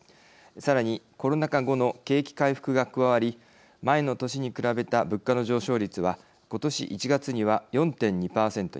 さらにコロナ禍後の景気回復が加わり前の年に比べた物価の上昇率は今年１月には４．２％に。